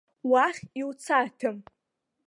Уахь иуцарҭам.